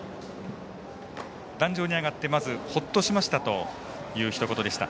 壇上に上がって、まずほっとしましたというひと言でした。